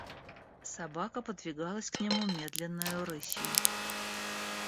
Собака подвигалась к нему медленною рысью.